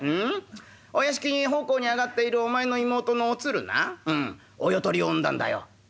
お屋敷に奉公に上がっているお前の妹のお鶴なお世取りを産んだんだよ」。